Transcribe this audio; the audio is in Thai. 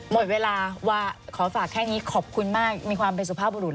หมดเวลาว่าขอฝากแค่นี้ขอบคุณมากมีความเป็นสุภาพบุรุษ